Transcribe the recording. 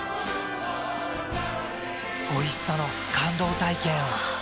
おいしさの感動体験を。